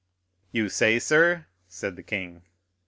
"You say, sir——" said the king.